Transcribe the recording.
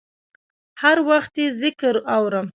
هر وخت یې ذکر اورم